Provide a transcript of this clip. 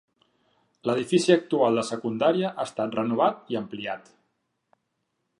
L'edifici actual de secundària ha estat renovat i ampliat.